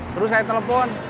terus saya telepon